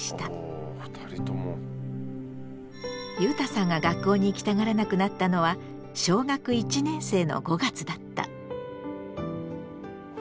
ゆうたさんが学校に行きたがらなくなったのは小学１年生の５月だった。